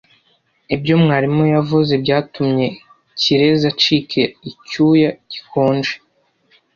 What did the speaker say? Ibyo mwarimu yavuze byatumye Kirezi acika icyuya gikonje.